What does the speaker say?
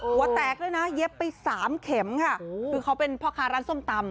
หัวแตกด้วยนะเย็บไปสามเข็มค่ะคือเขาเป็นพ่อค้าร้านส้มตำ